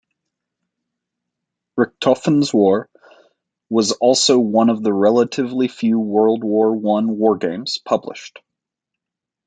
"Richthofen's War" was also one of the relatively few World War One wargames published.